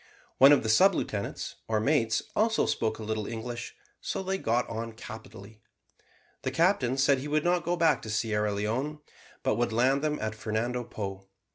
One of the sub lieutenants, or mates, also spoke a little English, so they got on capitally. The captain said he would not go back to Sierra Leone, but would land them at Fernando Po.